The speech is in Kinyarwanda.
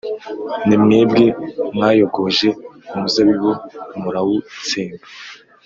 Ni mwebwe mwayogoje umuzabibu murawutsemba,